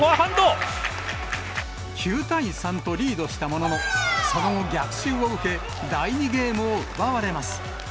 ９対３とリードしたものの、その後、逆襲を受け、第２ゲームを奪われます。